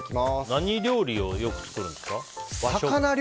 何料理をよく作るんですか？